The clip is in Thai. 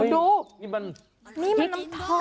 ดูนี่มันน้ำทอด